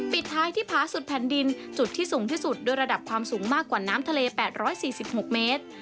ปิดท้ายที่ผาสุดแผ่นดินจุดที่สูงที่สุดด้วยระดับความสูงมากกว่าน้ำทะเล๘๔๖เมตร